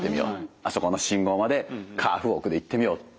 あそこの信号までカーフウォークで行ってみよう。